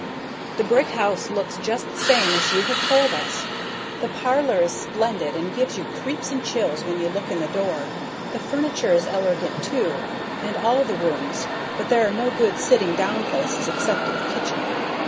The brick house looks just the same as you have told us. The parler is splendid and gives you creeps and chills when you look in the door. The furnature is ellergant too, and all the rooms but there are no good sitting down places exsept in the kitchen.